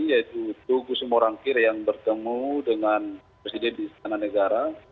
yaitu tugu sumorangkir yang bertemu dengan presiden di istana negara